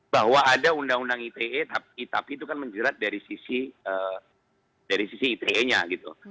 bahwa ada undang undang ite tapi itu kan menjerat dari sisi ite nya gitu